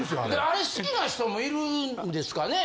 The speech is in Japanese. あれ好きな人もいるんですかね？